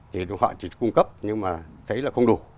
thì họ chỉ cung cấp nhưng mà thấy là không đủ